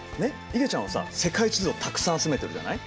いげちゃんはさ世界地図をたくさん集めてるじゃない？